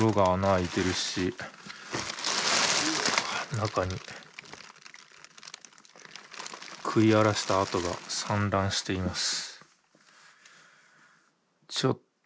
中に食い荒らした跡が散乱しています。